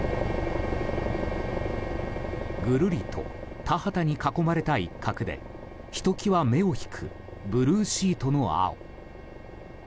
ぐるりと田畑に囲まれた一角でひと際目を引くブルーシートの青。